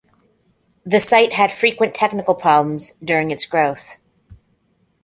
The site had frequent technical problems during its growth.